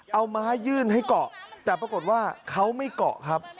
เอาไม้ยื่นให้เกาะแต่ปรากฏว่าเขาไม่เกาะครับ